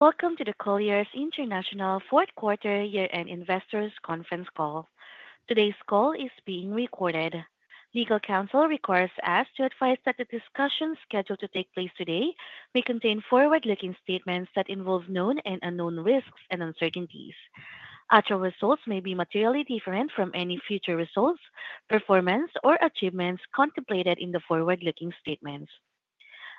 Welcome to the Colliers International Fourth Quarter Year-End Investors Conference Call. Today's call is being recorded. Legal counsel requires us to advise that the discussions scheduled to take place today may contain forward-looking statements that involve known and unknown risks and uncertainties. Actual results may be materially different from any future results, performance, or achievements contemplated in the forward-looking statements.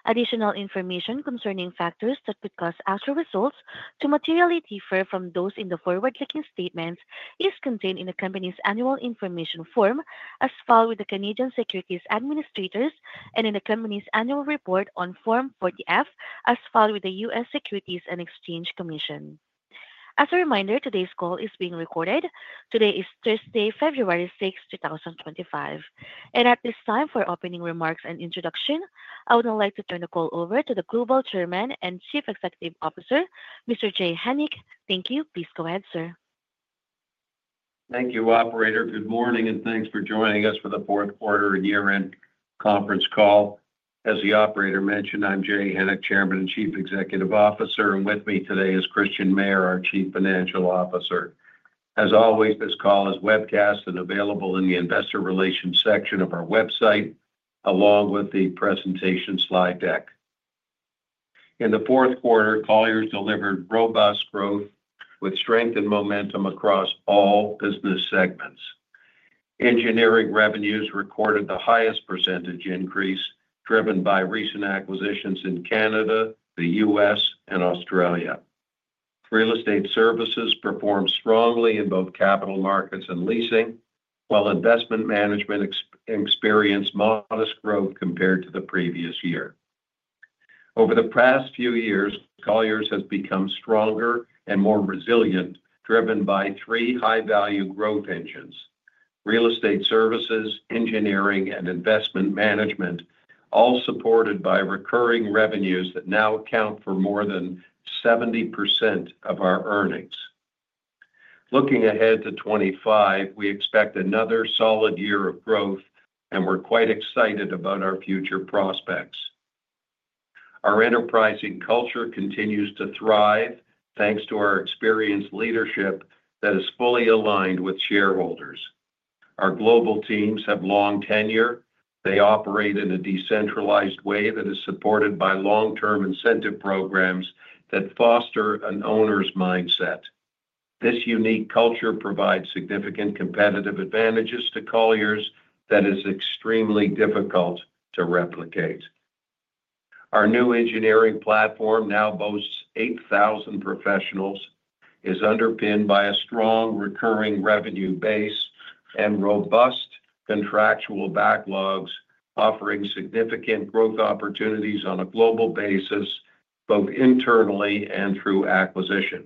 Additional information concerning factors that could cause actual results to materially differ from those in the forward-looking statements is contained in the company's Annual Information Form, as filed with the Canadian Securities Administrators, and in the company's Annual Report on Form 40-F, as filed with the U.S. Securities and Exchange Commission. As a reminder, today's call is being recorded. Today is Thursday, February 6, 2025. At this time, for opening remarks and introduction, I would now like to turn the call over to the Global Chairman and Chief Executive Officer, Mr. Jay Hennick. Thank you. Please go ahead, sir. Thank you, Operator. Good morning, and thanks for joining us for the fourth quarter year-end conference call. As the Operator mentioned, I'm Jay Hennick, Chairman and Chief Executive Officer, and with me today is Christian Mayer, our Chief Financial Officer. As always, this call is webcast and available in the Investor Relations section of our website, along with the presentation slide deck. In the fourth quarter, Colliers delivered robust growth with strength and momentum across all business segments. Engineering revenues recorded the highest percentage increase, driven by recent acquisitions in Canada, the U.S., and Australia. Real Estate Services performed strongly in both Capital Markets and Leasing, while Investment Management experienced modest growth compared to the previous year. Over the past few years, Colliers has become stronger and more resilient, driven by three high-value growth engines: Real Estate Services, Engineering, and Investment Management, all supported by recurring revenues that now account for more than 70% of our earnings. Looking ahead to 2025, we expect another solid year of growth, and we're quite excited about our future prospects. Our enterprising culture continues to thrive, thanks to our experienced leadership that is fully aligned with shareholders. Our global teams have long tenure. They operate in a decentralized way that is supported by long-term incentive programs that foster an owner's mindset. This unique culture provides significant competitive advantages to Colliers that is extremely difficult to replicate. Our new Engineering platform now boasts 8,000 professionals, is underpinned by a strong recurring revenue base, and robust contractual backlogs, offering significant growth opportunities on a global basis, both internally and through acquisition.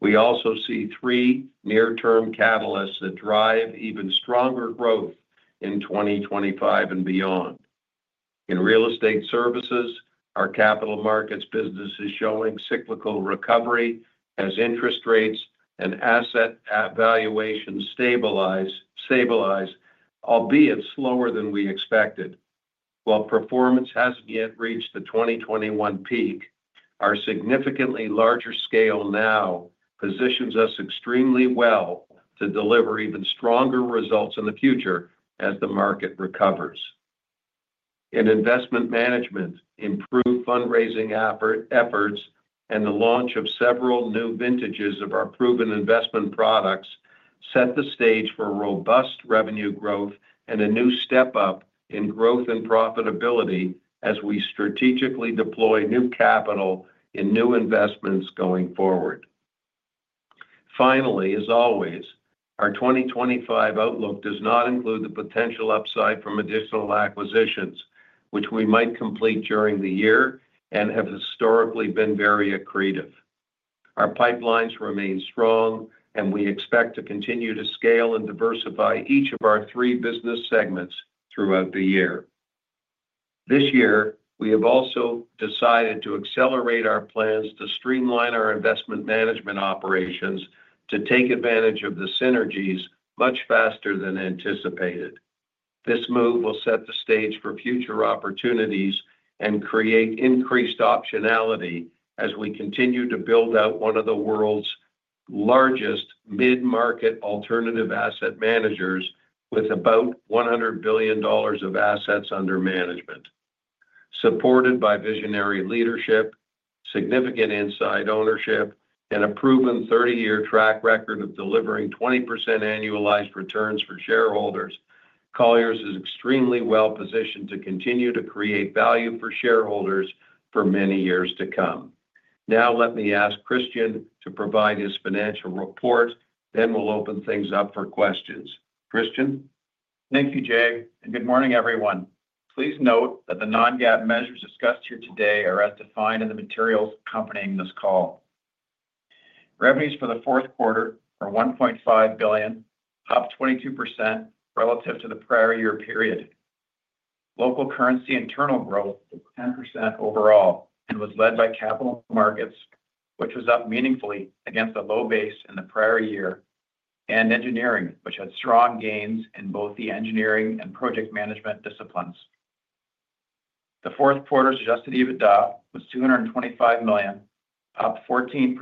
We also see three near-term catalysts that drive even stronger growth in 2025 and beyond. In Real Estate Services, our Capital Markets business is showing cyclical recovery as interest rates and asset valuations stabilize, albeit slower than we expected. While performance hasn't yet reached the 2021 peak, our significantly larger scale now positions us extremely well to deliver even stronger results in the future as the market recovers. In Investment Management, improved fundraising efforts and the launch of several new vintages of our proven investment products set the stage for robust revenue growth and a new step up in growth and profitability as we strategically deploy new capital in new investments going forward. Finally, as always, our 2025 outlook does not include the potential upside from additional acquisitions, which we might complete during the year and have historically been very accretive. Our pipelines remain strong, and we expect to continue to scale and diversify each of our three business segments throughout the year. This year, we have also decided to accelerate our plans to streamline our Investment Management operations to take advantage of the synergies much faster than anticipated. This move will set the stage for future opportunities and create increased optionality as we continue to build out one of the world's largest mid-market alternative asset managers with about $100 billion of assets under management. Supported by visionary leadership, significant inside ownership, and a proven 30-year track record of delivering 20% annualized returns for shareholders, Colliers is extremely well positioned to continue to create value for shareholders for many years to come. Now, let me ask Christian to provide his financial report, then we'll open things up for questions. Christian? Thank you, Jay, and good morning, everyone. Please note that the non-GAAP measures discussed here today are as defined in the materials accompanying this call. Revenues for the fourth quarter are $1.5 billion, up 22% relative to the prior year period. Local currency internal growth was 10% overall and was led by Capital Markets, which was up meaningfully against a low base in the prior year, and Engineering, which had strong gains in both the Engineering and Project Management disciplines. The fourth quarter's Adjusted EBITDA was $225 million, up 14%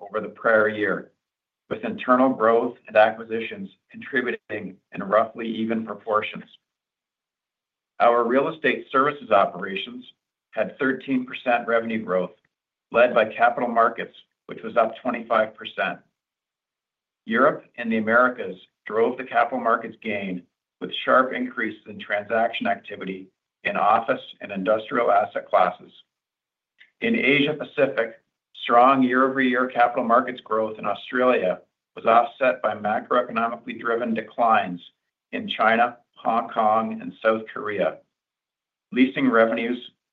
over the prior year, with internal growth and acquisitions contributing in roughly even proportions. Our Real Estate Services operations had 13% revenue growth, led by Capital Markets, which was up 25%. Europe and the Americas drove the Capital Markets gain, with sharp increases in transaction activity in office and industrial asset classes. In Asia-Pacific, strong year-over-year Capital Markets growth in Australia was offset by macroeconomically driven declines in China, Hong Kong, and South Korea.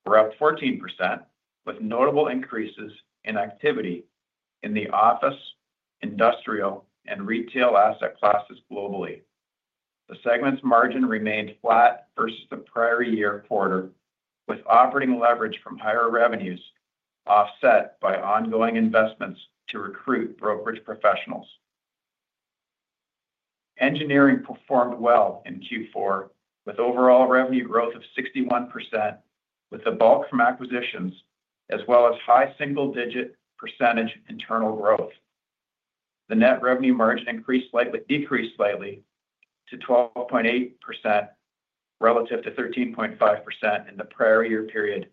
Leasing revenues were up 14%, with notable increases in activity in the office, industrial, and retail asset classes globally. The segments' margin remained flat versus the prior year quarter, with operating leverage from higher revenues offset by ongoing investments to recruit brokerage professionals. Engineering performed well in Q4, with overall revenue growth of 61%, with a bulk from acquisitions, as well as high single-digit percentage internal growth. The net revenue margin decreased slightly to 12.8% relative to 13.5% in the prior year period,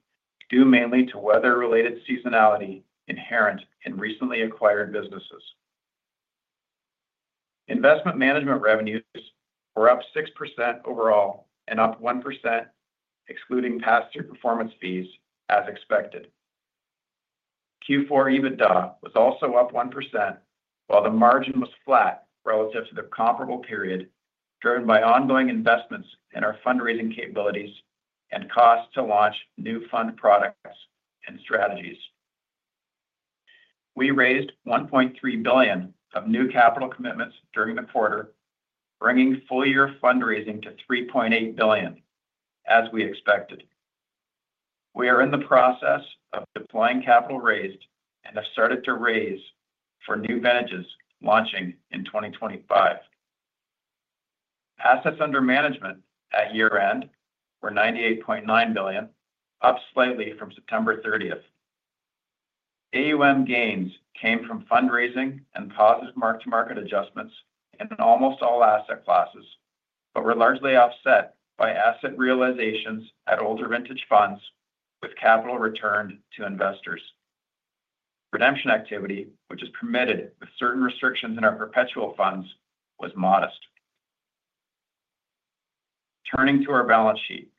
due mainly to weather-related seasonality inherent in recently acquired businesses. Investment Management revenues were up 6% overall and up 1%, excluding past-year performance fees, as expected. Q4 EBITDA was also up 1%, while the margin was flat relative to the comparable period, driven by ongoing investments in our fundraising capabilities and costs to launch new fund products and strategies. We raised $1.3 billion of new capital commitments during the quarter, bringing full-year fundraising to $3.8 billion, as we expected. We are in the process of deploying capital raised and have started to raise for new vintages launching in 2025. Assets under management at year-end were $98.9 billion, up slightly from September 30th. AUM gains came from fundraising and positive mark-to-market adjustments in almost all asset classes, but were largely offset by asset realizations at older vintage funds with capital returned to investors. Redemption activity, which is permitted with certain restrictions in our perpetual funds, was modest. Turning to our balance sheet,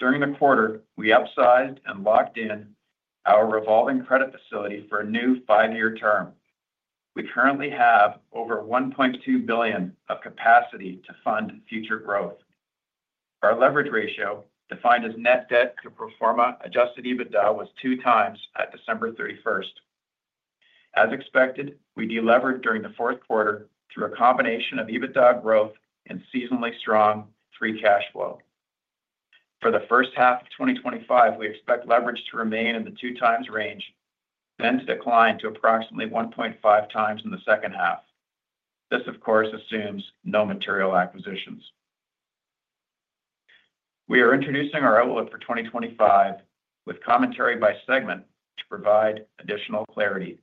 during the quarter, we upsized and locked in our revolving credit facility for a new five-year term. We currently have over $1.2 billion of capacity to fund future growth. Our leverage ratio, defined as net debt to pro forma Adjusted EBITDA, was two times at December 31st. As expected, we deleveraged during the fourth quarter through a combination of EBITDA growth and seasonally strong free cash flow. For the first half of 2025, we expect leverage to remain in the two-times range, then to decline to approximately 1.5 times in the second half. This, of course, assumes no material acquisitions. We are introducing our outlook for 2025 with commentary by segment to provide additional clarity.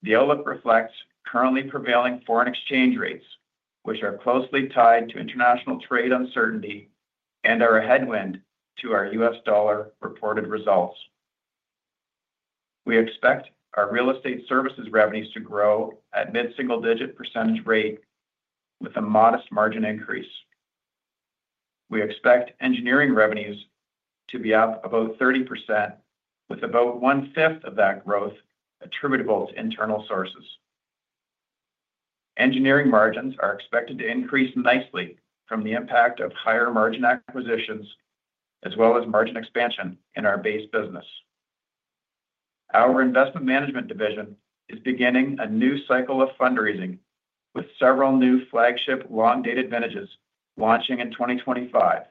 The outlook reflects currently prevailing foreign exchange rates, which are closely tied to international trade uncertainty and are a headwind to our U.S. dollar reported results. We expect our Real Estate Services revenues to grow at mid-single-digit percentage rate with a modest margin increase. We expect Engineering revenues to be up about 30%, with about one-fifth of that growth attributable to internal sources. Engineering margins are expected to increase nicely from the impact of higher margin acquisitions, as well as margin expansion in our base business. Our Investment Management division is beginning a new cycle of fundraising with several new flagship long-dated vintages launching in 2025,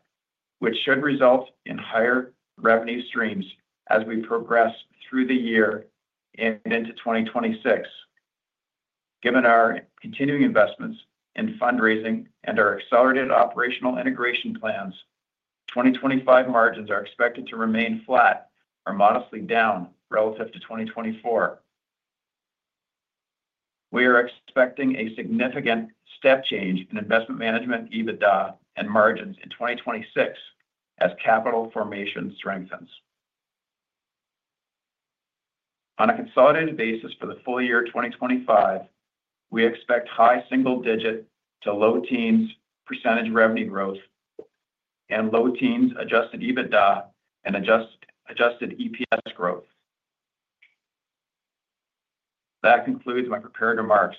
which should result in higher revenue streams as we progress through the year and into 2026. Given our continuing investments in fundraising and our accelerated operational integration plans, 2025 margins are expected to remain flat or modestly down relative to 2024. We are expecting a significant step change in Investment Management EBITDA and margins in 2026 as capital formation strengthens. On a consolidated basis for the full year 2025, we expect high single-digit to low teens percentage revenue growth and low teens Adjusted EBITDA and Adjusted EPS growth. That concludes my prepared remarks.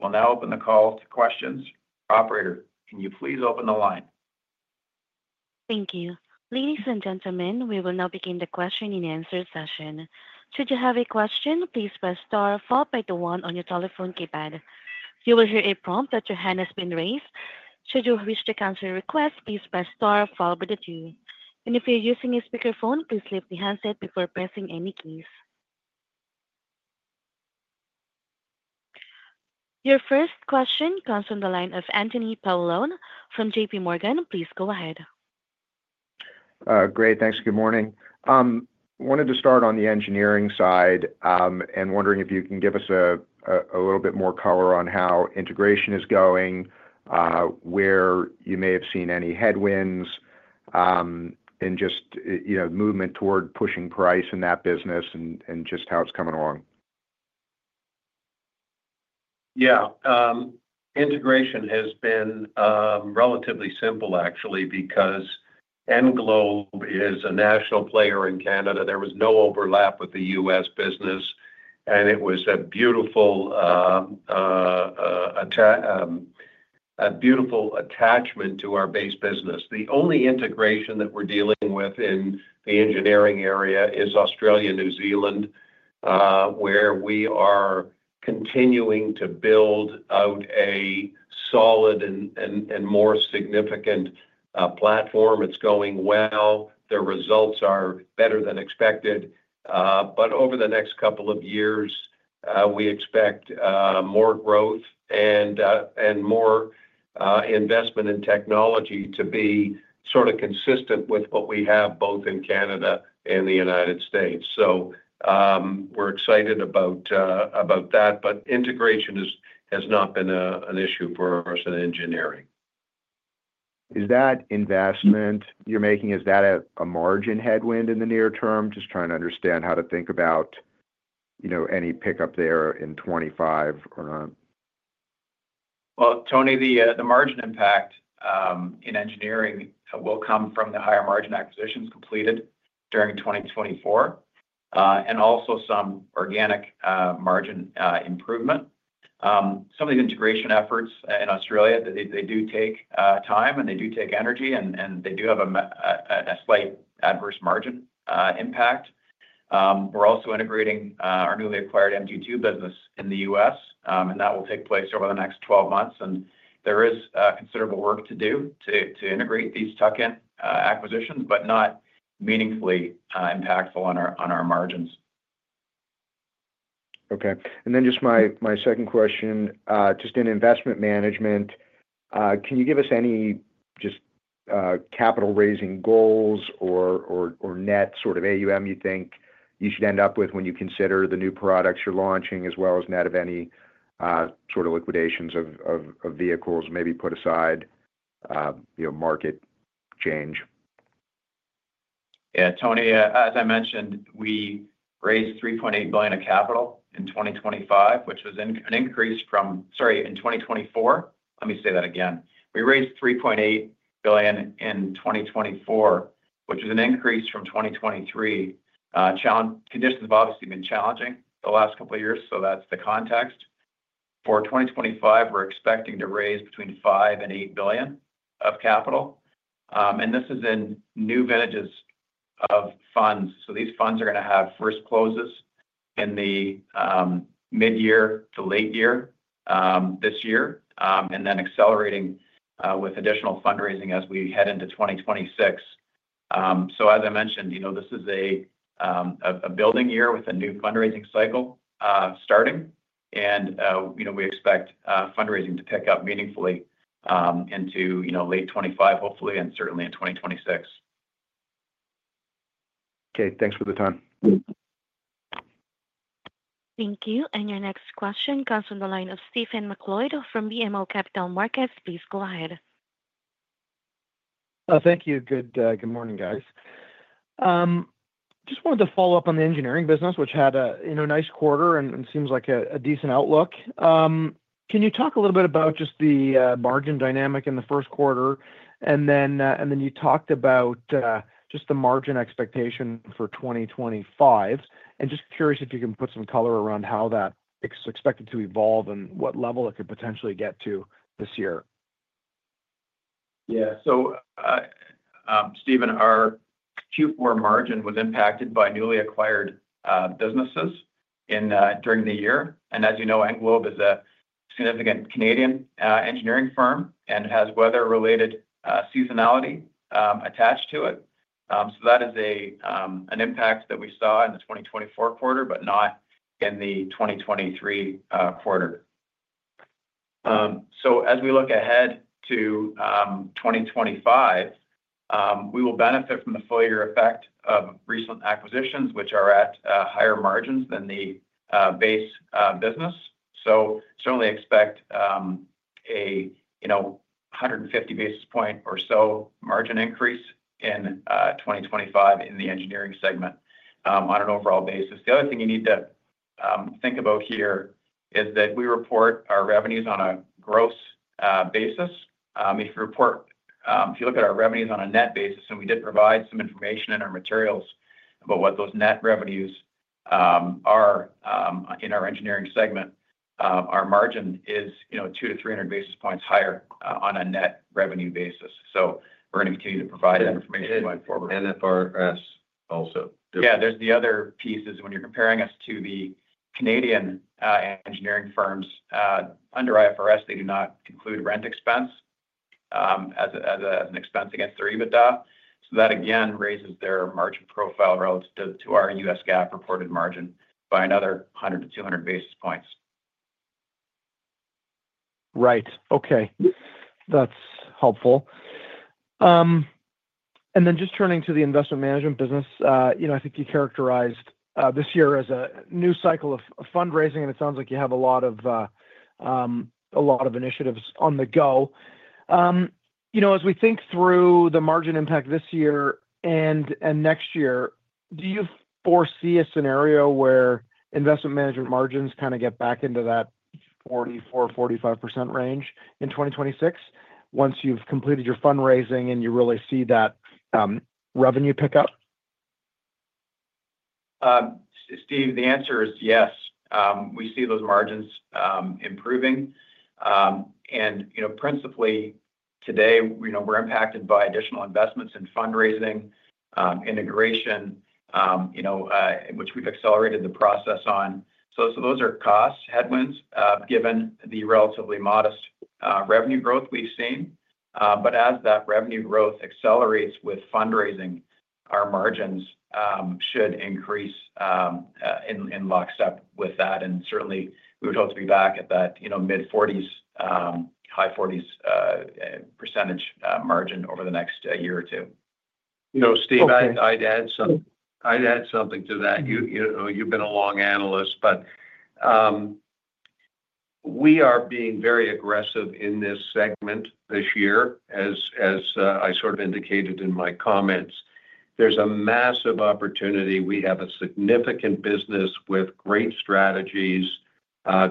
We'll now open the call to questions. Operator, can you please open the line? Thank you. Ladies and gentlemen, we will now begin the question and answer session. Should you have a question, please press star followed by the one on your telephone keypad. You will hear a prompt that your hand has been raised. Should you wish to cancel your request, please press star followed by the two. And if you're using a speakerphone, please lift the handset before pressing any keys. Your first question comes from the line of Anthony Paolone from JPMorgan. Please go ahead. Great. Thanks. Good morning. Wanted to start on the Engineering side and wondering if you can give us a little bit more color on how integration is going, where you may have seen any headwinds, and just movement toward pushing price in that business and just how it's coming along? Yeah. Integration has been relatively simple, actually, because Englobe is a national player in Canada. There was no overlap with the U.S. business, and it was a beautiful attachment to our base business. The only integration that we're dealing with in the Engineering area is Australia and New Zealand, where we are continuing to build out a solid and more significant platform. It's going well. The results are better than expected. But over the next couple of years, we expect more growth and more investment in technology to be sort of consistent with what we have both in Canada and the United States. So we're excited about that. But integration has not been an issue for us in Engineering. Is that investment you're making, is that a margin headwind in the near term? Just trying to understand how to think about any pickup there in 2025 or not. Tony, the margin impact in Engineering will come from the higher margin acquisitions completed during 2024 and also some organic margin improvement. Some of these integration efforts in Australia, they do take time and they do take energy, and they do have a slight adverse margin impact. We're also integrating our newly acquired MG2 business in the U.S., and that will take place over the next 12 months. There is considerable work to do to integrate these tuck-in acquisitions, but not meaningfully impactful on our margins. Okay. And then just my second question, just in Investment Management, can you give us any just capital-raising goals or net sort of AUM you think you should end up with when you consider the new products you're launching, as well as net of any sort of liquidations of vehicles, maybe put aside market change? Yeah. Tony, as I mentioned, we raised $3.8 billion of capital in 2025, which was an increase from, sorry, in 2024. Let me say that again. We raised $3.8 billion in 2024, which was an increase from 2023. Conditions have obviously been challenging the last couple of years, so that's the context. For 2025, we're expecting to raise between $5 billion and $8 billion of capital. And this is in new vintages of funds. So these funds are going to have first closes in the mid-year to late year this year and then accelerating with additional fundraising as we head into 2026. So, as I mentioned, this is a building year with a new fundraising cycle starting. And we expect fundraising to pick up meaningfully into late 2025, hopefully, and certainly in 2026. Okay. Thanks for the time. Thank you. And your next question comes from the line of Stephen MacLeod from BMO Capital Markets. Please go ahead. Thank you. Good morning, guys. Just wanted to follow up on the Engineering business, which had a nice quarter and seems like a decent outlook. Can you talk a little bit about just the margin dynamic in the first quarter, and then you talked about just the margin expectation for 2025, and just curious if you can put some color around how that is expected to evolve and what level it could potentially get to this year? Yeah. So, Stephen, our Q4 margin was impacted by newly acquired businesses during the year, and as you know, Englobe is a significant Canadian Engineering firm and has weather-related seasonality attached to it. So that is an impact that we saw in the 2024 quarter, but not in the 2023 quarter, so as we look ahead to 2025, we will benefit from the full-year effect of recent acquisitions, which are at higher margins than the base business. So certainly expect a 150 basis points or so margin increase in 2025 in the Engineering segment on an overall basis. The other thing you need to think about here is that we report our revenues on a gross basis. If you look at our revenues on a net basis, and we did provide some information in our materials about what those net revenues are in our Engineering segment, our margin is 200-300 basis points higher on a net revenue basis. So, we're going to continue to provide that information going forward. IFRS also. Yeah. There's the other pieces when you're comparing us to the Canadian Engineering firms. Under IFRS, they do not include rent expense as an expense against their EBITDA. So that, again, raises their margin profile relative to our U.S. GAAP reported margin by another 100-200 basis points. Right. Okay. That's helpful. And then just turning to the Investment Management business, I think you characterized this year as a new cycle of fundraising, and it sounds like you have a lot of initiatives on the go. As we think through the margin impact this year and next year, do you foresee a scenario where Investment Management margins kind of get back into that 44%-45% range in 2026 once you've completed your fundraising and you really see that revenue pickup? Steve, the answer is yes. We see those margins improving. And principally, today, we're impacted by additional investments in fundraising integration, which we've accelerated the process on. So, those are cost headwinds given the relatively modest revenue growth we've seen. But as that revenue growth accelerates with fundraising, our margins should increase in lockstep with that. And certainly, we would hope to be back at that mid-40s, high 40s percentage margin over the next year or two. Steve, I'd add something to that. You've been a long analyst, but we are being very aggressive in this segment this year. As I sort of indicated in my comments, there's a massive opportunity. We have a significant business with great strategies,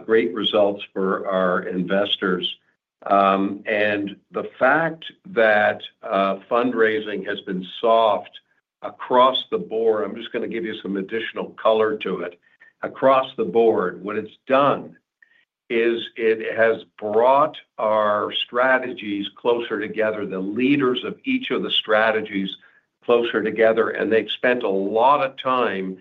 great results for our investors. And the fact that fundraising has been soft across the board, I'm just going to give you some additional color to it, across the board, what it's done is it has brought our strategies closer together, the leaders of each of the strategies closer together. And they've spent a lot of time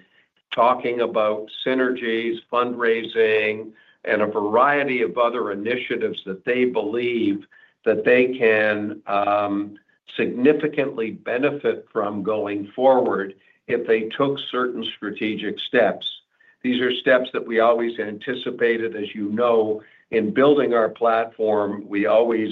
talking about synergies, fundraising, and a variety of other initiatives that they believe that they can significantly benefit from going forward if they took certain strategic steps. These are steps that we always anticipated. As you know, in building our platform, we always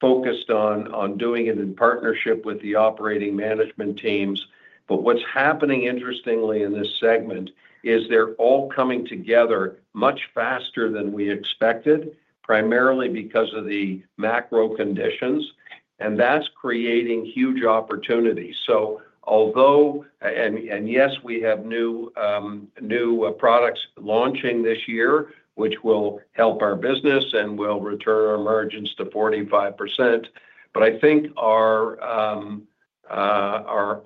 focused on doing it in partnership with the operating management teams, but what's happening, interestingly, in this segment is they're all coming together much faster than we expected, primarily because of the macro conditions, and that's creating huge opportunities, so although, and yes, we have new products launching this year, which will help our business and will return our margins to 45%, but I think our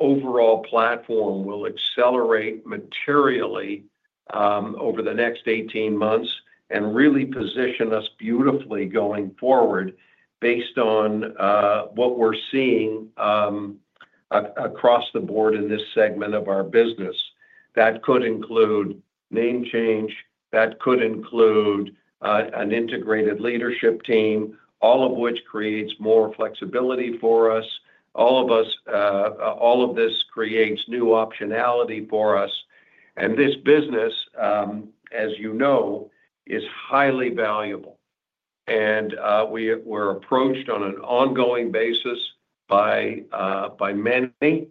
overall platform will accelerate materially over the next 18 months and really position us beautifully going forward based on what we're seeing across the board in this segment of our business. That could include name change. That could include an integrated leadership team, all of which creates more flexibility for us. All of this creates new optionality for us, and this business, as you know, is highly valuable. And we're approached on an ongoing basis by many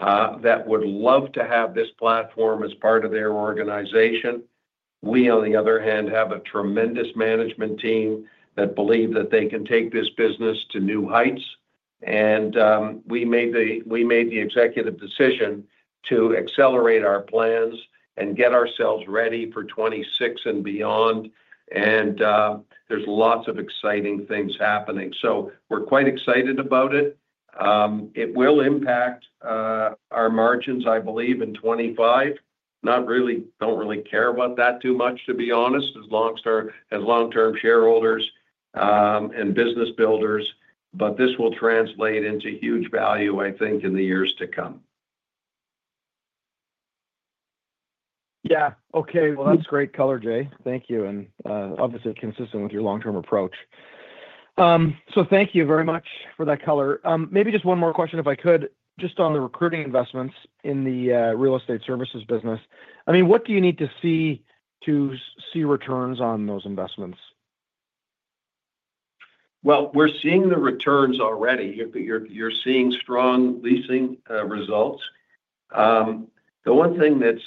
that would love to have this platform as part of their organization. We, on the other hand, have a tremendous management team that believe that they can take this business to new heights. And we made the executive decision to accelerate our plans and get ourselves ready for 2026 and beyond. And there's lots of exciting things happening. So, we're quite excited about it. It will impact our margins, I believe, in 2025. Don't really care about that too much, to be honest, as long as long-term shareholders and business builders. But this will translate into huge value, I think, in the years to come. Yeah. Okay. Well, that's great color, Jay. Thank you. And obviously, consistent with your long-term approach. So, thank you very much for that color. Maybe just one more question, if I could, just on the recruiting investments in the Real Estate Services business. I mean, what do you need to see to see returns on those investments? We're seeing the returns already. You're seeing strong leasing results. The one thing that's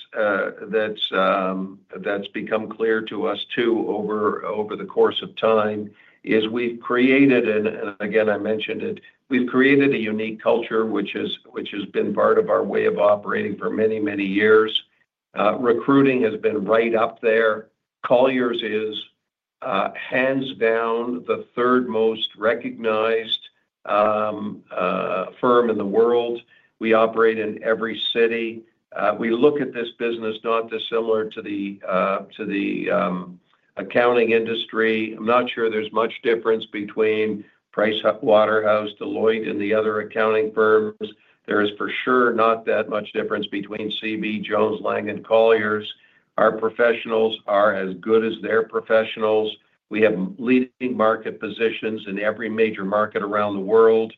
become clear to us too over the course of time is we've created, and again, I mentioned it, we've created a unique culture, which has been part of our way of operating for many, many years. Recruiting has been right up there. Colliers is, hands down, the third most recognized firm in the world. We operate in every city. We look at this business not dissimilar to the accounting industry. I'm not sure there's much difference between PricewaterhouseCoopers, Deloitte, and the other accounting firms. There is for sure not that much difference between CB, Jones Lang, and Colliers. Our professionals are as good as their professionals. We have leading market positions in every major market around the world.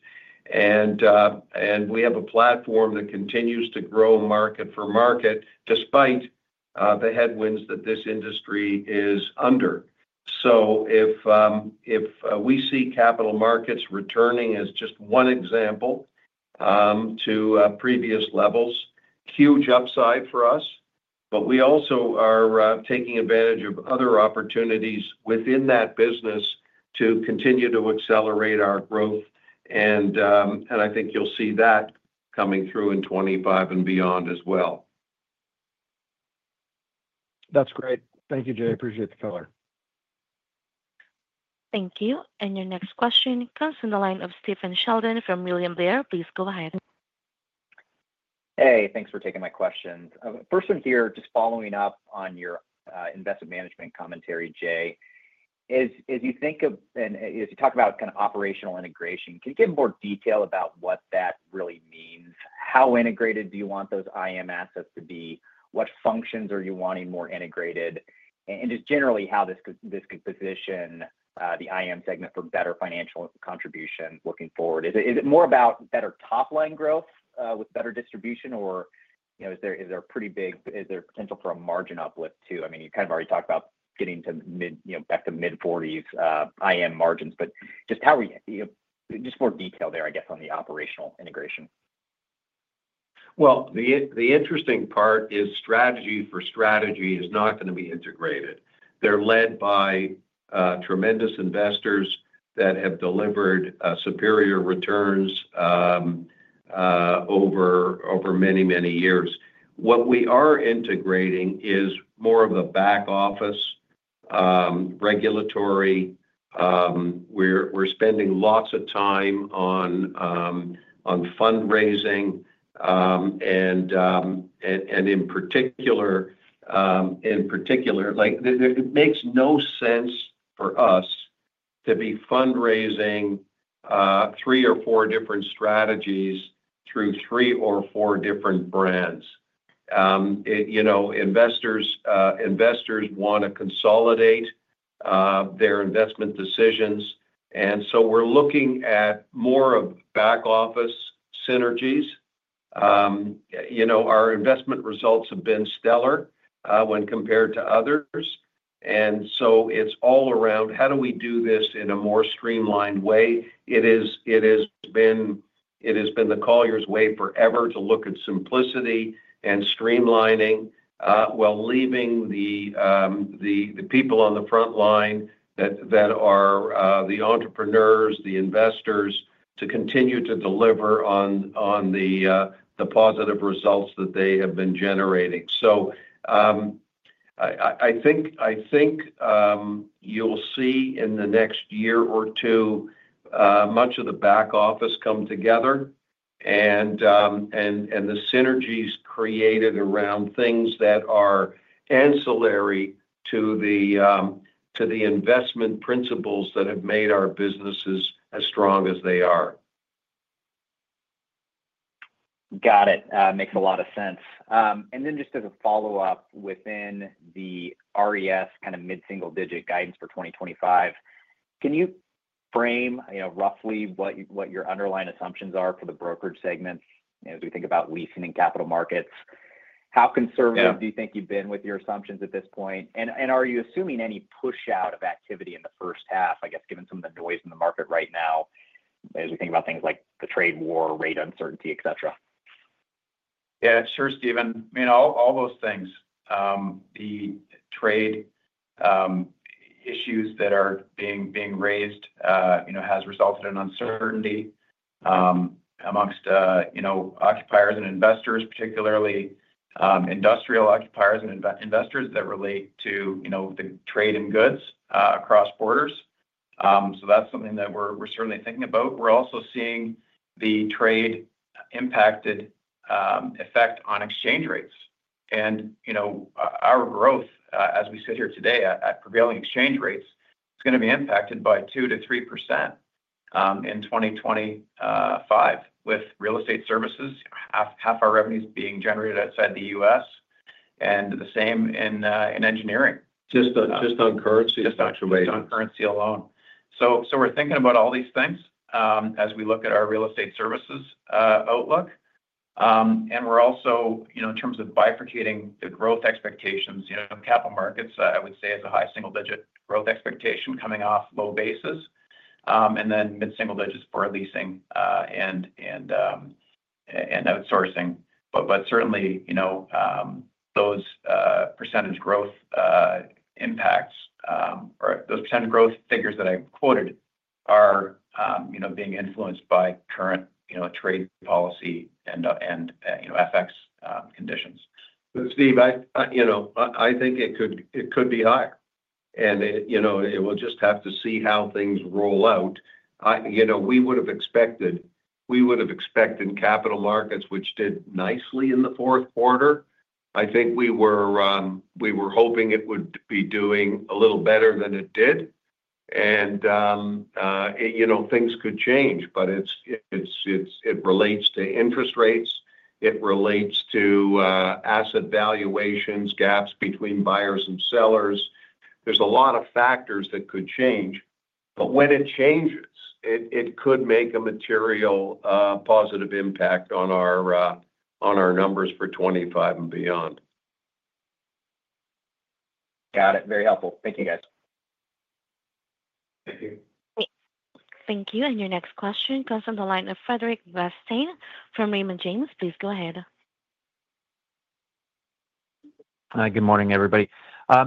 And we have a platform that continues to grow market for market despite the headwinds that this industry is under. So, if we see Capital Markets returning as just one example to previous levels, huge upside for us. But we also are taking advantage of other opportunities within that business to continue to accelerate our growth. And I think you'll see that coming through in 2025 and beyond as well. That's great. Thank you, Jay. Appreciate the color. Thank you. And your next question comes from the line of Stephen Sheldon from William Blair. Please go ahead. Hey. Thanks for taking my questions. First, I'm here just following up on your Investment Management commentary, Jay. As you think of and as you talk about kind of operational integration, can you give more detail about what that really means? How integrated do you want those IM assets to be? What functions are you wanting more integrated? And just generally, how this could position the IM segment for better financial contribution looking forward? Is it more about better top-line growth with better distribution, or is there potential for a margin uplift too? I mean, you kind of already talked about getting back to mid-40s IM margins, but just more detail there, I guess, on the operational integration. The interesting part is strategy for strategy is not going to be integrated. They're led by tremendous investors that have delivered superior returns over many, many years. What we are integrating is more of the back-office regulatory. We're spending lots of time on fundraising. And in particular, it makes no sense for us to be fundraising three or four different strategies through three or four different brands. Investors want to consolidate their investment decisions. And so, we're looking at more of back-office synergies. Our investment results have been stellar when compared to others. And so, it's all around, how do we do this in a more streamlined way? It has been the Colliers way forever to look at simplicity and streamlining while leaving the people on the front line that are the entrepreneurs, the investors, to continue to deliver on the positive results that they have been generating. So, I think you'll see in the next year or two much of the back-office come together and the synergies created around things that are ancillary to the investment principles that have made our businesses as strong as they are. Got it. Makes a lot of sense. And then just as a follow-up within the RES kind of mid-single-digit guidance for 2025, can you frame roughly what your underlying assumptions are for the brokerage segments as we think about leasing and Capital Markets? How conservative do you think you've been with your assumptions at this point? And are you assuming any push-out of activity in the first half, I guess, given some of the noise in the market right now as we think about things like the trade war, rate uncertainty, etc.? Yeah. Sure, Stephen. I mean, all those things. The trade issues that are being raised have resulted in uncertainty among occupiers and investors, particularly industrial occupiers and investors that relate to the trade in goods across borders. So, that's something that we're certainly thinking about. We're also seeing the trade-impacted effect on exchange rates. Our growth, as we sit here today at prevailing exchange rates, is going to be impacted by 2%-3% in 2025 with Real Estate Services, half of our revenues being generated outside the U.S., and the same in Engineering. Just on currency, actually. Just on currency alone. So, we're thinking about all these things as we look at our Real Estate Services outlook. And we're also, in terms of bifurcating the growth expectations, Capital Markets, I would say, has a high single-digit growth expectation coming off low bases. And then mid-single digits for Leasing and Outsourcing. But certainly, those percentage growth impacts or those percentage growth figures that I quoted are being influenced by current trade policy and FX conditions. But, Steve, I think it could be higher. And it will just have to see how things roll out. We would have expected Capital Markets, which did nicely in the fourth quarter. I think we were hoping it would be doing a little better than it did. And things could change. But it relates to interest rates. It relates to asset valuations, gaps between buyers and sellers. There's a lot of factors that could change. But when it changes, it could make a material positive impact on our numbers for 2025 and beyond. Got it. Very helpful. Thank you, guys. Thank you. And your next question comes from the line of Frederic Bastien from Raymond James. Please go ahead. Hi. Good morning, everybody. I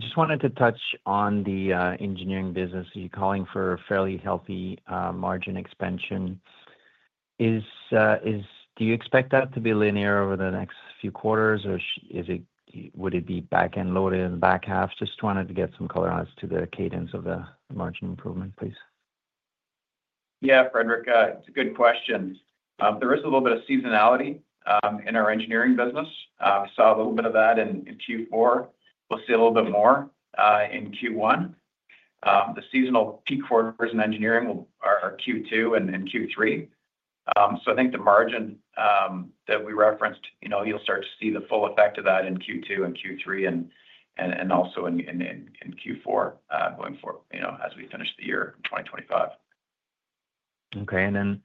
just wanted to touch on the Engineering business. You're calling for a fairly healthy margin expansion. Do you expect that to be linear over the next few quarters, or would it be back-end loaded in the back half? Just wanted to get some color on as to the cadence of the margin improvement, please. Yeah, Frederic, it's a good question. There is a little bit of seasonality in our Engineering business. We saw a little bit of that in Q4. We'll see a little bit more in Q1. The seasonal peak quarters in Engineering are Q2 and Q3. So, I think the margin that we referenced, you'll start to see the full effect of that in Q2 and Q3 and also in Q4 going forward as we finish the year in 2025. Okay. And then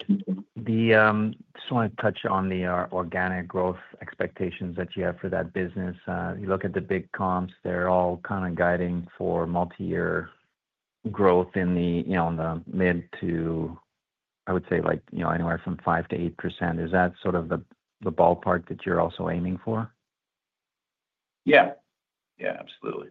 I just want to touch on the organic growth expectations that you have for that business. You look at the big comps. They're all kind of guiding for multi-year growth in the mid to, I would say, anywhere from 5%-8%. Is that sort of the ballpark that you're also aiming for? Yeah. Yeah, absolutely.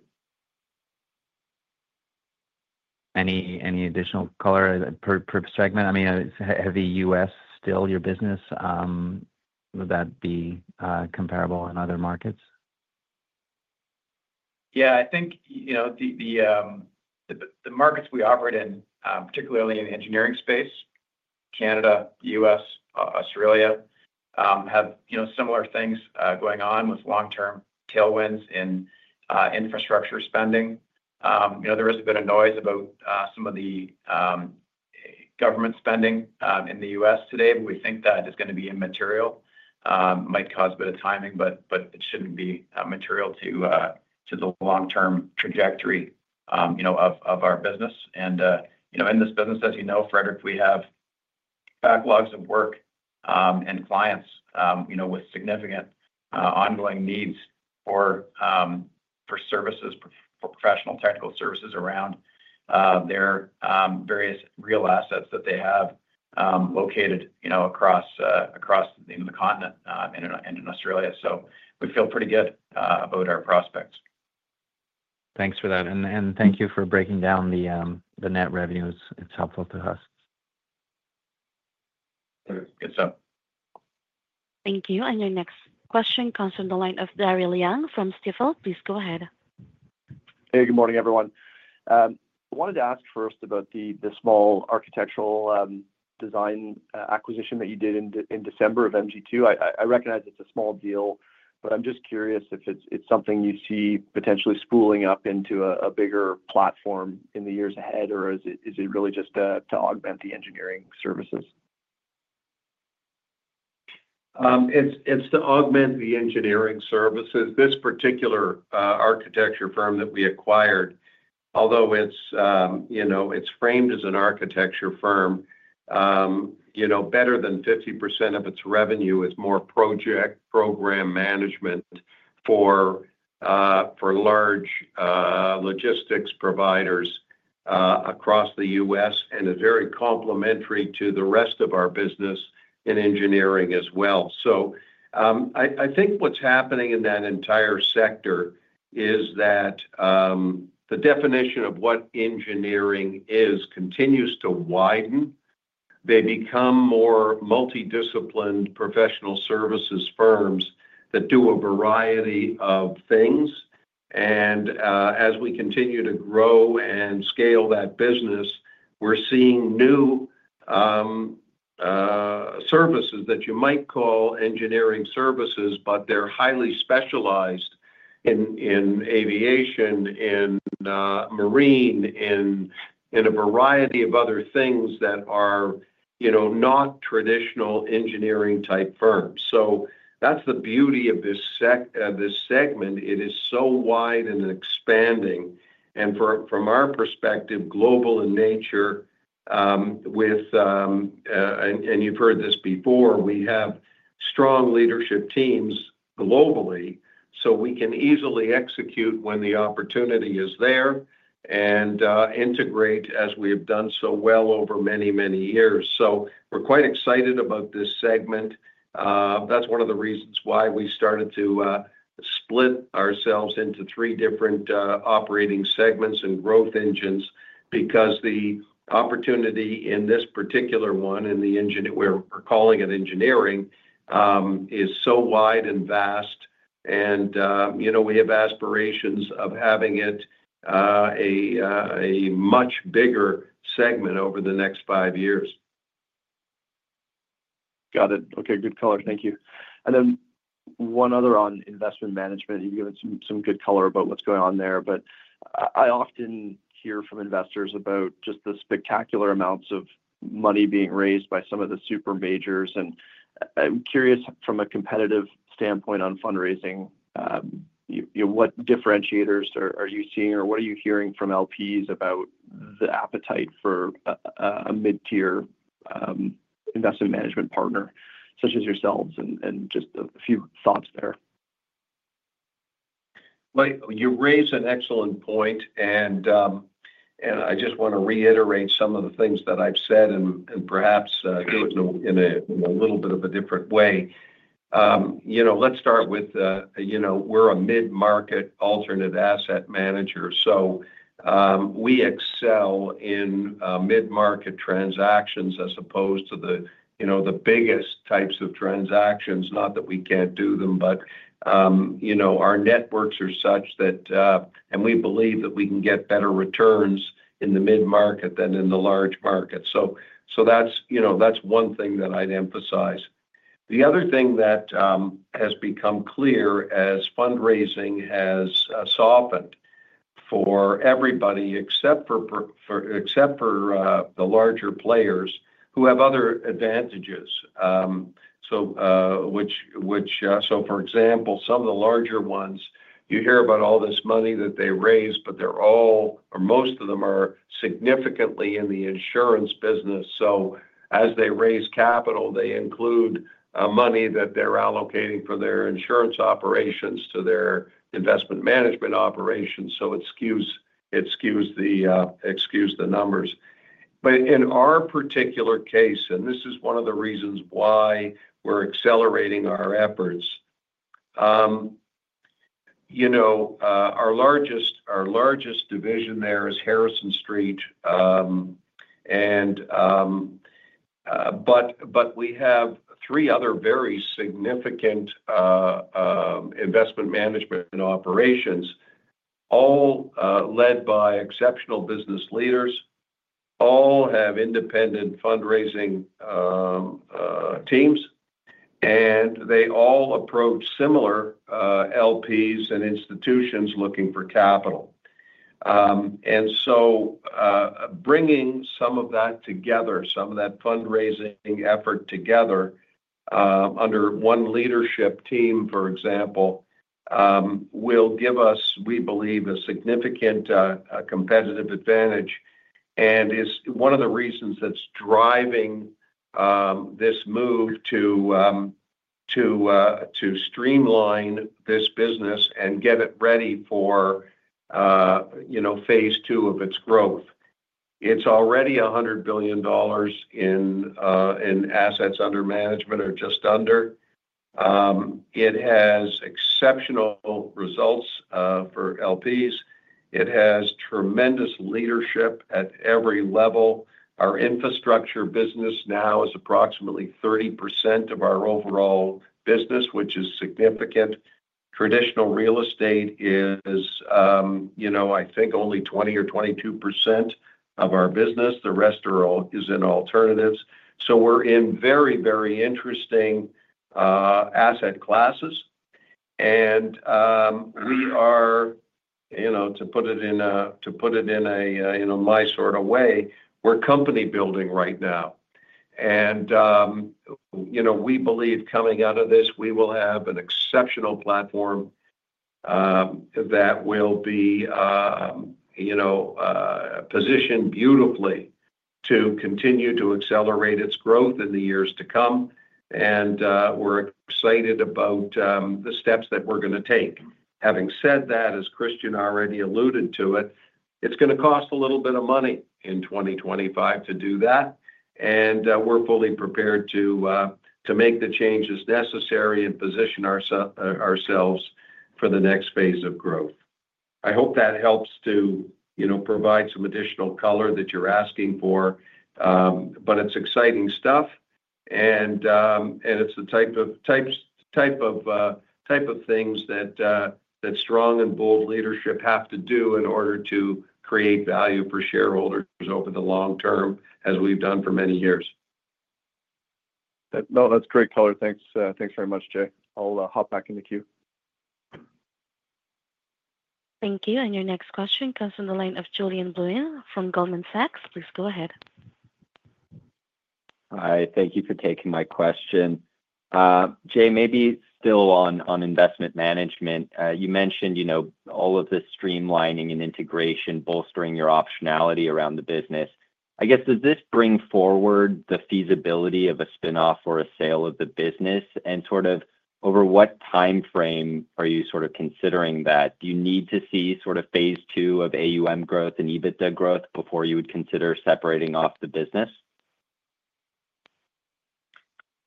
Any additional color per segment? I mean, is heavy U.S. still your business? Would that be comparable in other markets? Yeah. I think the markets we operate in, particularly in the Engineering space, Canada, U.S., Australia, have similar things going on with long-term tailwinds in infrastructure spending. There has been a noise about some of the government spending in the U.S. today, but we think that is going to be immaterial. It might cause a bit of timing, but it shouldn't be material to the long-term trajectory of our business. And in this business, as you know, Frederic, we have backlogs of work and clients with significant ongoing needs for services, for professional technical services around their various real assets that they have located across the continent and in Australia. So, we feel pretty good about our prospects. Thanks for that. And thank you for breaking down the net revenues. It's helpful to us. Good stuff. Thank you. And your next question comes from the line of Daryl Young from Stifel. Please go ahead. Hey. Good morning, everyone. I wanted to ask first about the small architectural design acquisition that you did in December of MG2. I recognize it's a small deal, but I'm just curious if it's something you see potentially spooling up into a bigger platform in the years ahead, or is it really just to augment the Engineering services? It's to augment the Engineering services. This particular architecture firm that we acquired, although it's framed as an architecture firm, better than 50% of its revenue is more project program management for large logistics providers across the U.S. and is very complementary to the rest of our business in Engineering as well. So, I think what's happening in that entire sector is that the definition of what Engineering is continues to widen. They become more multidisciplined professional services firms that do a variety of things. And as we continue to grow and scale that business, we're seeing new services that you might call Engineering services, but they're highly specialized in aviation, in marine, in a variety of other things that are not traditional Engineering-type firms. So, that's the beauty of this segment. It is so wide and expanding. From our perspective, global in nature, with (and you've heard this before) we have strong leadership teams globally. We can easily execute when the opportunity is there and integrate as we have done so well over many, many years. We're quite excited about this segment. That's one of the reasons why we started to split ourselves into three different operating segments and growth engines because the opportunity in this particular one, the engine (we're calling it Engineering), is so wide and vast. We have aspirations of having it a much bigger segment over the next five years. Got it. Okay. Good color. Thank you, and then one other on Investment Management. You've given some good color about what's going on there, but I often hear from investors about just the spectacular amounts of money being raised by some of the super majors, and I'm curious, from a competitive standpoint on fundraising, what differentiators are you seeing, or what are you hearing from LPs about the appetite for a mid-tier Investment Management partner such as yourselves? and just a few thoughts there. You raise an excellent point. I just want to reiterate some of the things that I've said and perhaps do it in a little bit of a different way. Let's start with, we're a mid-market alternative asset manager. So, we excel in mid-market transactions as opposed to the biggest types of transactions. Not that we can't do them, but our networks are such that, and we believe that we can get better returns in the mid-market than in the large market. So, that's one thing that I'd emphasize. The other thing that has become clear as fundraising has softened for everybody except for the larger players who have other advantages, which, so, for example, some of the larger ones, you hear about all this money that they raise, but they're all, or most of them are significantly in the insurance business. So, as they raise capital, they include money that they're allocating for their insurance operations to their Investment Management operations. So, it skews the numbers. But in our particular case, and this is one of the reasons why we're accelerating our efforts, our largest division there is Harrison Street. But we have three other very significant Investment Management operations, all led by exceptional business leaders, all have independent fundraising teams, and they all approach similar LPs and institutions looking for capital. And so, bringing some of that together, some of that fundraising effort together under one leadership team, for example, will give us, we believe, a significant competitive advantage. And it's one of the reasons that's driving this move to streamline this business and get it ready for phase II of its growth. It's already $100 billion in assets under management or just under. It has exceptional results for LPs. It has tremendous leadership at every level. Our infrastructure business now is approximately 30% of our overall business, which is significant. Traditional real estate is, I think, only 20% or 22% of our business. The rest is in alternatives. So, we're in very, very interesting asset classes. And we are, to put it in a nice sort of way, we're company-building right now. And we believe coming out of this, we will have an exceptional platform that will be positioned beautifully to continue to accelerate its growth in the years to come. And we're excited about the steps that we're going to take. Having said that, as Christian already alluded to it, it's going to cost a little bit of money in 2025 to do that. And we're fully prepared to make the changes necessary and position ourselves for the next phase of growth. I hope that helps to provide some additional color that you're asking for. But it's exciting stuff. And it's the type of things that strong and bold leadership have to do in order to create value for shareholders over the long term as we've done for many years. No, that's great color. Thanks very much, Jay. I'll hop back in the queue. Thank you. And your next question comes from the line of Julien Blouin from Goldman Sachs. Please go ahead. Hi. Thank you for taking my question. Jay, maybe still on Investment Management, you mentioned all of the streamlining and integration, bolstering your optionality around the business. I guess, does this bring forward the feasibility of a spinoff or a sale of the business? And sort of over what timeframe are you sort of considering that? Do you need to see sort of phase II of AUM growth and EBITDA growth before you would consider separating off the business?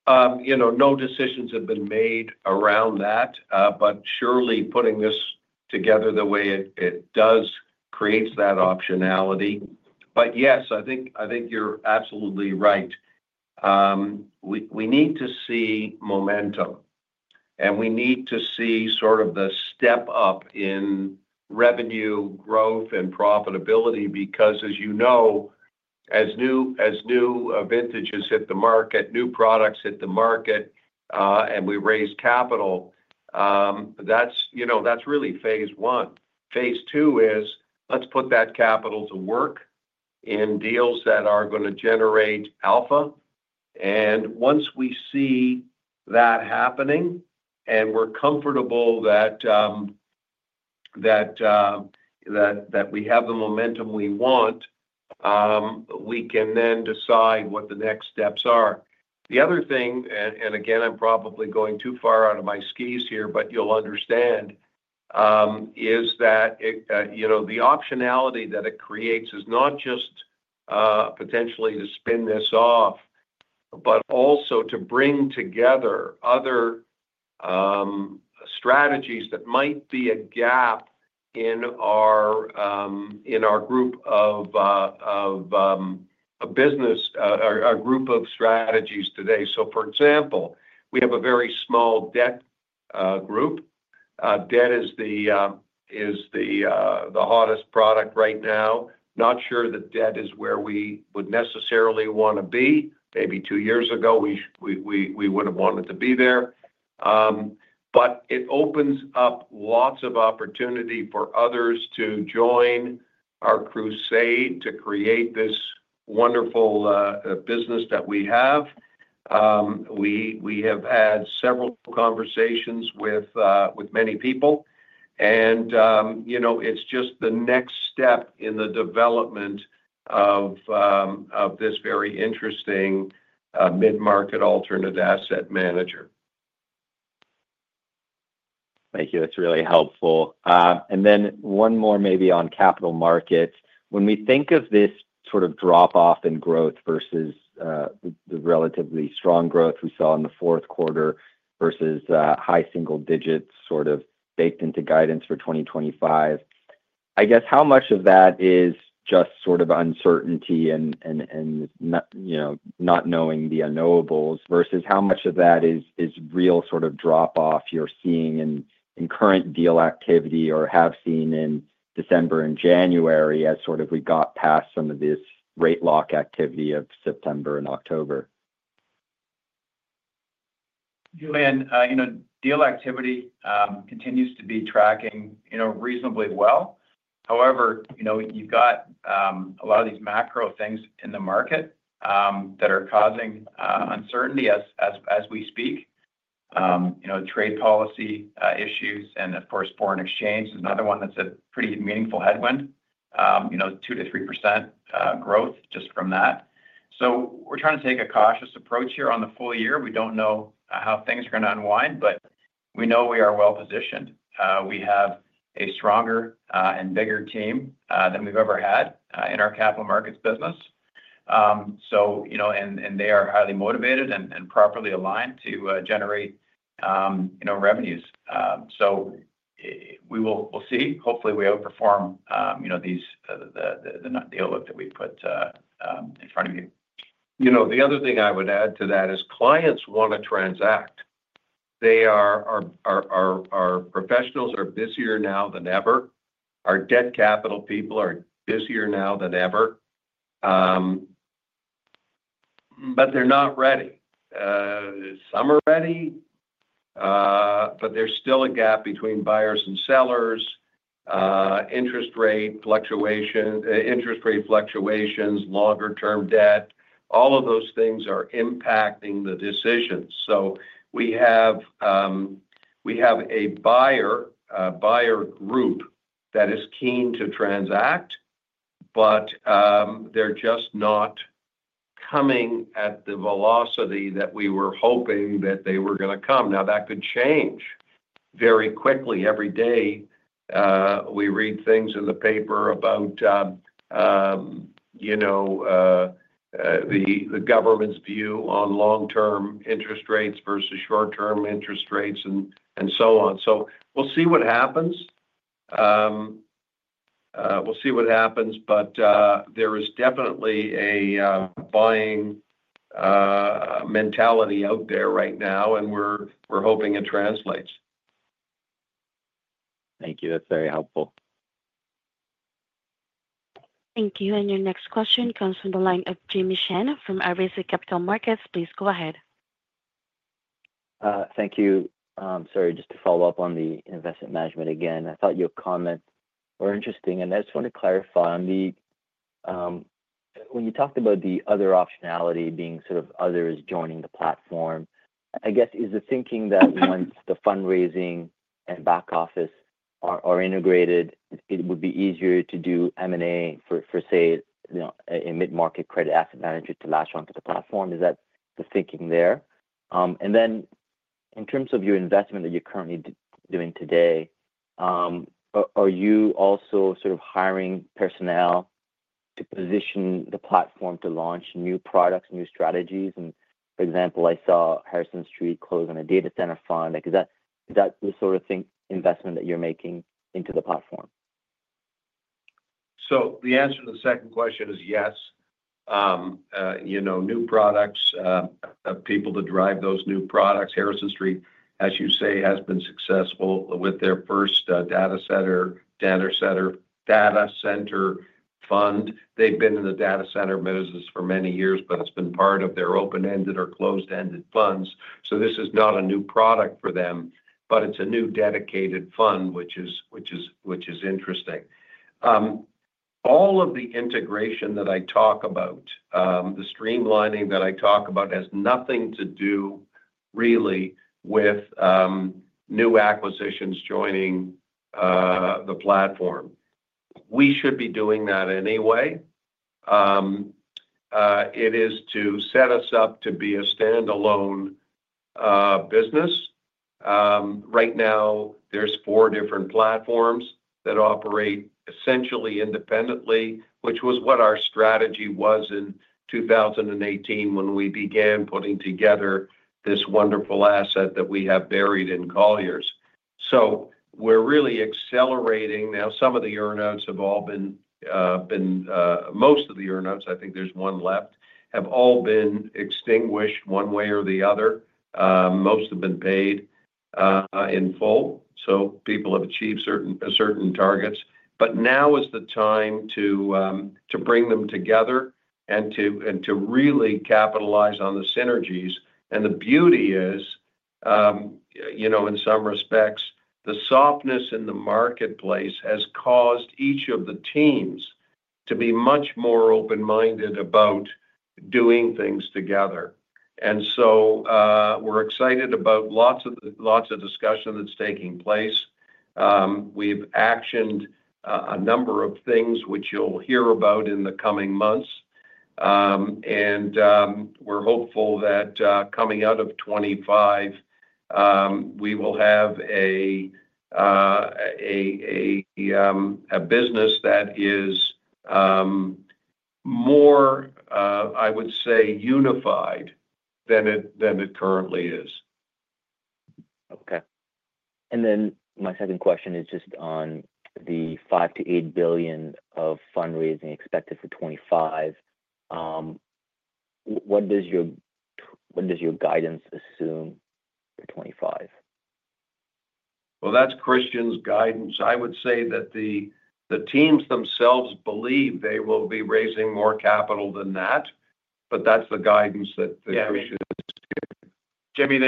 No decisions have been made around that. But surely putting this together the way it does creates that optionality. But yes, I think you're absolutely right. We need to see momentum. And we need to see sort of the step up in revenue, growth, and profitability because, as you know, as new vintages hit the market, new products hit the market, and we raise capital, that's really phase I. phase II is, let's put that capital to work in deals that are going to generate alpha. And once we see that happening and we're comfortable that we have the momentum we want, we can then decide what the next steps are. The other thing, and again, I'm probably going too far out of my skis here, but you'll understand, is that the optionality that it creates is not just potentially to spin this off, but also to bring together other strategies that might be a gap in our group of business, our group of strategies today. So, for example, we have a very small debt group. Debt is the hottest product right now. Not sure that debt is where we would necessarily want to be. Maybe two years ago, we would have wanted to be there. But it opens up lots of opportunity for others to join our crusade to create this wonderful business that we have. We have had several conversations with many people, and it's just the next step in the development of this very interesting mid-market alternate asset manager. Thank you. That's really helpful. And then one more maybe on Capital Markets. When we think of this sort of drop-off in growth versus the relatively strong growth we saw in the fourth quarter versus high single digits sort of baked into guidance for 2025, I guess how much of that is just sort of uncertainty and not knowing the unknowables versus how much of that is real sort of drop-off you're seeing in current deal activity or have seen in December and January as sort of we got past some of this rate lock activity of September and October? Julien, deal activity continues to be tracking reasonably well. However, you've got a lot of these macro things in the market that are causing uncertainty as we speak. Trade policy issues and, of course, foreign exchange is another one that's a pretty meaningful headwind, 2%-3% growth just from that. So, we're trying to take a cautious approach here on the full year. We don't know how things are going to unwind, but we know we are well positioned. We have a stronger and bigger team than we've ever had in our Capital Markets business. And they are highly motivated and properly aligned to generate revenues. So, we will see. Hopefully, we outperform the outlook that we've put in front of you. The other thing I would add to that is clients want to transact. Our professionals are busier now than ever. Our debt capital people are busier now than ever. But they're not ready. Some are ready, but there's still a gap between buyers and sellers, interest rate fluctuations, longer-term debt. All of those things are impacting the decisions. So, we have a buyer group that is keen to transact, but they're just not coming at the velocity that we were hoping that they were going to come. Now, that could change very quickly. Every day, we read things in the paper about the government's view on long-term interest rates versus short-term interest rates and so on. So, we'll see what happens. We'll see what happens. But there is definitely a buying mentality out there right now, and we're hoping it translates. Thank you. That's very helpful. Thank you. And your next question comes from the line of Jimmy Shan from RBC Capital Markets. Please go ahead. Thank you. Sorry, just to follow up on the Investment Management again. I thought your comments were interesting. And I just want to clarify on the, when you talked about the other optionality being sort of others joining the platform, I guess, is the thinking that once the fundraising and back office are integrated, it would be easier to do M&A for, say, a mid-market credit asset manager to latch onto the platform? Is that the thinking there? And then, in terms of your investment that you're currently doing today, are you also sort of hiring personnel to position the platform to launch new products, new strategies? And, for example, I saw Harrison Street close on a data center fund. Is that the sort of investment that you're making into the platform? So, the answer to the second question is yes. New products, people to drive those new products. Harrison Street, as you say, has been successful with their first data center fund. They've been in the data center business for many years, but it's been part of their open-ended or closed-ended funds. So, this is not a new product for them, but it's a new dedicated fund, which is interesting. All of the integration that I talk about, the streamlining that I talk about, has nothing to do really with new acquisitions joining the platform. We should be doing that anyway. It is to set us up to be a standalone business. Right now, there's four different platforms that operate essentially independently, which was what our strategy was in 2018 when we began putting together this wonderful asset that we have buried in Colliers. So, we're really accelerating. Now, some of the earnouts have all been, most of the earnouts, I think there's one left, have all been extinguished one way or the other. Most have been paid in full, so people have achieved certain targets, but now is the time to bring them together and to really capitalize on the synergies, and the beauty is, in some respects, the softness in the marketplace has caused each of the teams to be much more open-minded about doing things together, and so we're excited about lots of discussion that's taking place. We've actioned a number of things, which you'll hear about in the coming months, and we're hopeful that coming out of 2025, we will have a business that is more, I would say, unified than it currently is. Okay. And then my second question is just on the $5 billion-$8 billion of fundraising expected for 2025. What does your guidance assume for 2025? That's Christian's guidance. I would say that the teams themselves believe they will be raising more capital than that. But that's the guidance that Christian has given. Jimmy,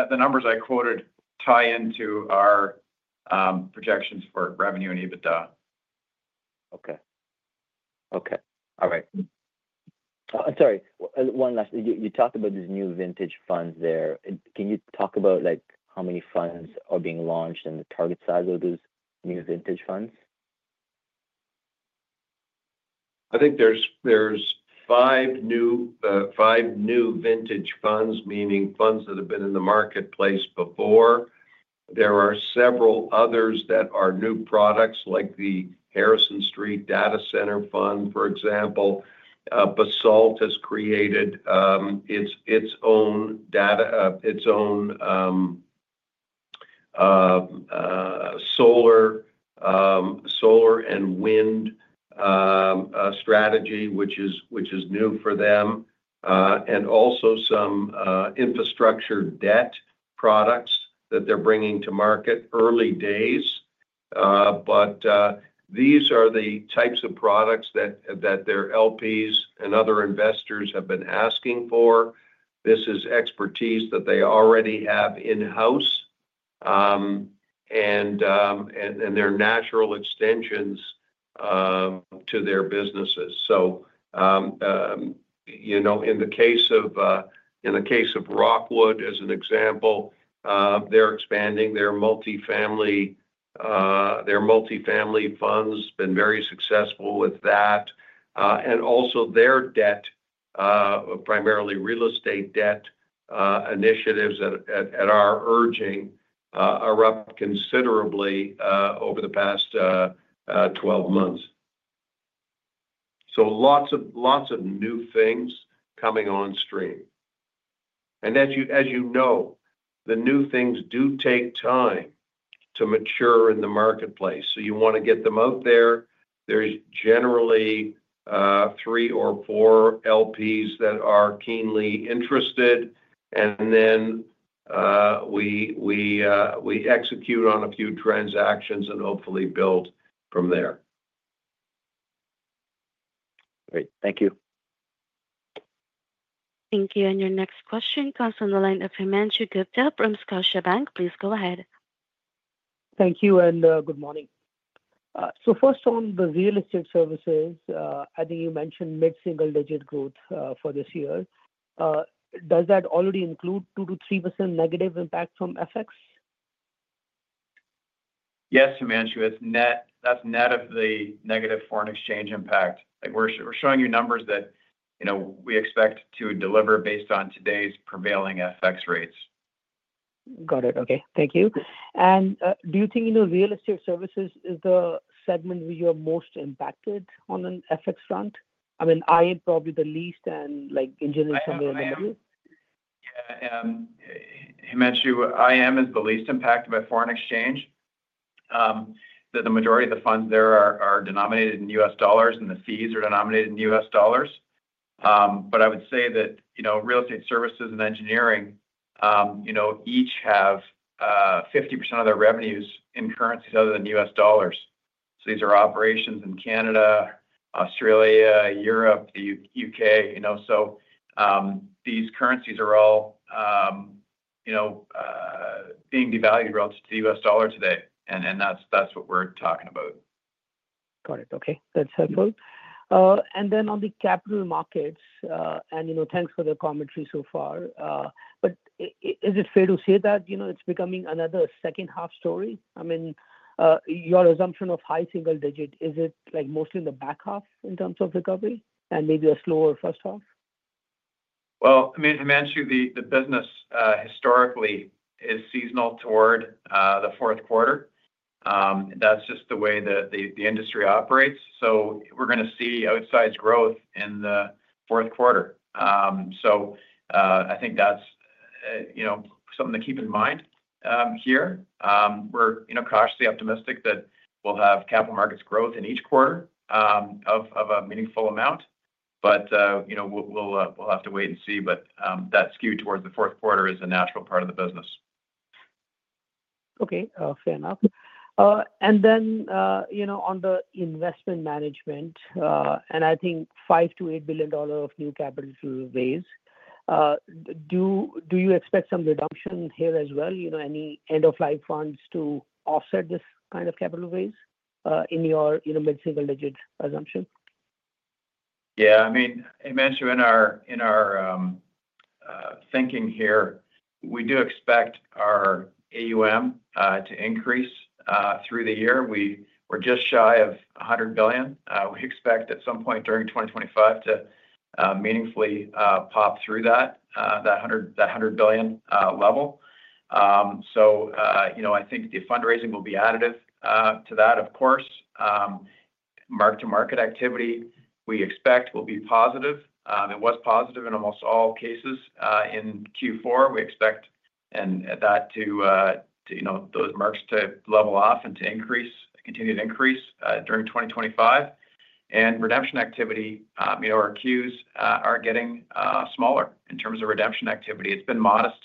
the numbers I quoted tie into our projections for revenue and EBITDA. Okay. Okay. All right. Sorry. One last thing. You talked about this new vintage fund there. Can you talk about how many funds are being launched and the target size of those new vintage funds? I think there's five new vintage funds, meaning funds that have been in the marketplace before. There are several others that are new products, like the Harrison Street Data Center Fund, for example. Basalt has created its own solar and wind strategy, which is new for them. And also some infrastructure debt products that they're bringing to market early days. But these are the types of products that their LPs and other investors have been asking for. This is expertise that they already have in-house. And they're natural extensions to their businesses. So, in the case of Rockwood, as an example, they're expanding their multifamily funds. Been very successful with that. And also, their debt, primarily real estate debt initiatives at our urging, are up considerably over the past 12 months. So, lots of new things coming on stream. And as you know, the new things do take time to mature in the marketplace. So, you want to get them out there. There's generally three or four LPs that are keenly interested. And then we execute on a few transactions and hopefully build from there. Great. Thank you. Thank you. And your next question comes from the line of Himanshu Gupta from Scotiabank. Please go ahead. Thank you. And good morning. So, first, on the Real Estate Services, I think you mentioned mid-single-digit growth for this year. Does that already include 2%-3% negative impact from FX? Yes, Himanshu, that's net of the negative foreign exchange impact. We're showing you numbers that we expect to deliver based on today's prevailing FX rates. Got it. Okay. Thank you. And do you think Real Estate Services is the segment where you're most impacted on an FX front? I mean, I am probably the least and Engineering somewhere in the middle. Yeah. Himanshu, I am as the least impacted by foreign exchange. The majority of the funds there are denominated in U.S. dollars, and the fees are denominated in U.S. dollars. But I would say that Real Estate Services and Engineering each have 50% of their revenues in currencies other than U.S. dollars. So, these are operations in Canada, Australia, Europe, the U.K. These currencies are all being devalued relative to the U.S. dollar today. That's what we're talking about. Got it. Okay. That's helpful. And then on the Capital Markets, and thanks for the commentary so far. But is it fair to say that it's becoming another second-half story? I mean, your assumption of high single digit, is it mostly in the back half in terms of recovery and maybe a slower first half? Well, Himanshu, the business historically is seasonal toward the fourth quarter. That's just the way the industry operates. So, we're going to see outsized growth in the fourth quarter. So, I think that's something to keep in mind here. We're cautiously optimistic that we'll have Capital Markets growth in each quarter of a meaningful amount. But we'll have to wait and see. But that skew towards the fourth quarter is a natural part of the business. Okay. Fair enough. And then on the Investment Management, and I think $5 billion-$8 billion of new capital raise, do you expect some reduction here as well? Any end-of-life funds to offset this kind of capital raise in your mid-single-digit assumption? Yeah. I mean, Himanshu, in our thinking here, we do expect our AUM to increase through the year. We're just shy of 100 billion. We expect at some point during 2025 to meaningfully pop through that 100 billion level. So, I think the fundraising will be additive to that, of course. Mark-to-market activity we expect will be positive. It was positive in almost all cases in Q4. We expect that those marks to level off and to continue to increase during 2025. Redemption activity, our queues are getting smaller in terms of redemption activity. It's been modest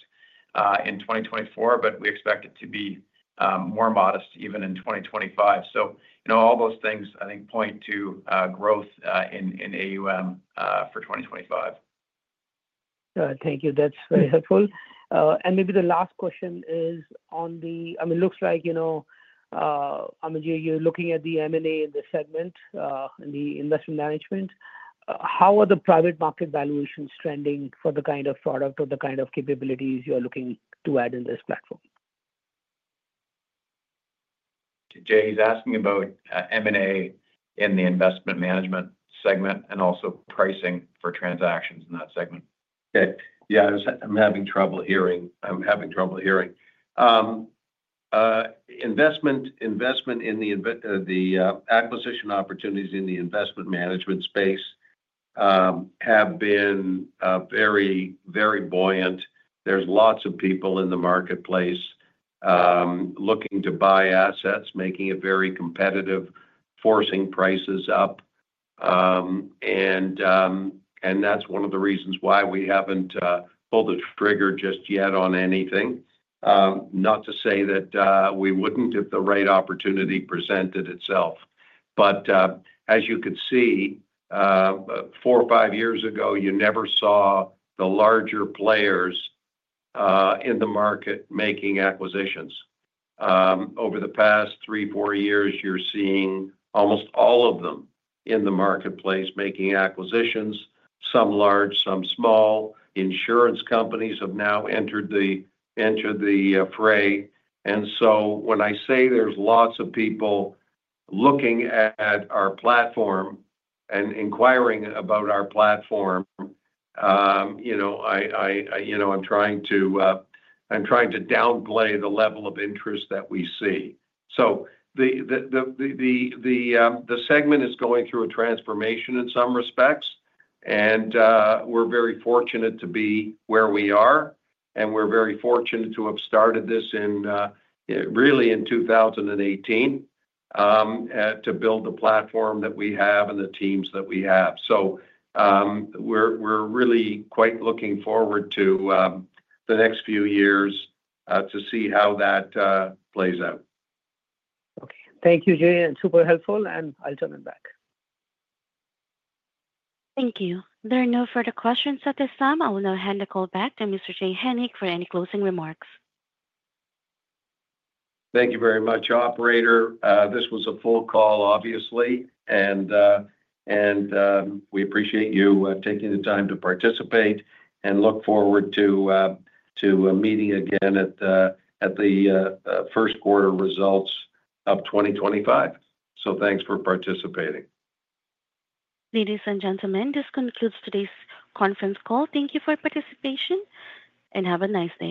in 2024, but we expect it to be more modest even in 2025. So, all those things, I think, point to growth in AUM for 2025. Thank you. That's very helpful. And maybe the last question is on the—I mean, it looks like you're looking at the M&A in the segment, in the Investment Management. How are the private market valuations trending for the kind of product or the kind of capabilities you're looking to add in this platform? Jay, he's asking about M&A in the Investment Management segment and also pricing for transactions in that segment. Okay. Yeah. I'm having trouble hearing. Investment in the acquisition opportunities in the Investment Management space have been very, very buoyant. There's lots of people in the marketplace looking to buy assets, making it very competitive, forcing prices up. And that's one of the reasons why we haven't pulled the trigger just yet on anything. Not to say that we wouldn't if the right opportunity presented itself. But as you could see, four or five years ago, you never saw the larger players in the market making acquisitions. Over the past three, four years, you're seeing almost all of them in the marketplace making acquisitions, some large, some small. Insurance companies have now entered the fray. And so, when I say there's lots of people looking at our platform and inquiring about our platform, I'm trying to downplay the level of interest that we see. The segment is going through a transformation in some respects. We're very fortunate to be where we are. We're very fortunate to have started this really in 2018 to build the platform that we have and the teams that we have. We're really quite looking forward to the next few years to see how that plays out. Okay. Thank you, Jay. Super helpful. And I'll turn it back. Thank you. There are no further questions at this time. I will now hand the call back to Mr. Jay Hennick for any closing remarks. Thank you very much, Operator. This was a full call, obviously. We appreciate you taking the time to participate and look forward to meeting again at the first quarter results of 2025. Thanks for participating. Ladies and gentlemen, this concludes today's conference call. Thank you for participation and have a nice day.